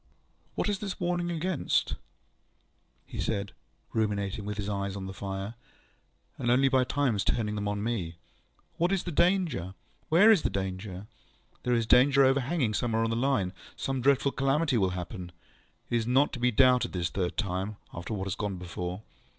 ŌĆ£What is its warning against? ŌĆØ he said, ruminating, with his eyes on the fire, and only by times turning them on me. ŌĆ£What is the danger? Where is the danger? There is danger overhanging somewhere on the Line. Some dreadful calamity will happen. It is not to be doubted this third time, after what has gone before.